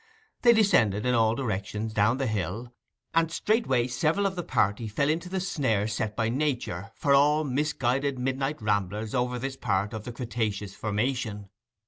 They descended in all directions down the hill, and straightway several of the party fell into the snare set by Nature for all misguided midnight ramblers over this part of the cretaceous formation.